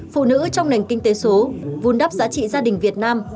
phụ nữ trong nền kinh tế số vun đắp giá trị gia đình việt nam